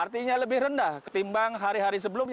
artinya lebih rendah ketimbang hari hari sebelumnya